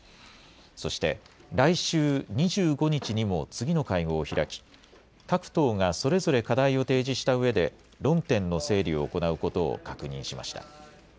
そして、来週２５日にも次の会合を開き、各党がそれぞれ課題を提示したうえで、論点の整理を行うことを確認しました。